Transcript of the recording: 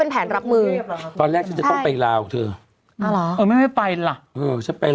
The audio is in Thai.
เธอไปเมื่อไหร่